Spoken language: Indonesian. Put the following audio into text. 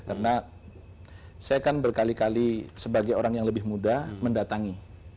karena saya kan berkali kali sebagai orang yang lebih muda mendatangi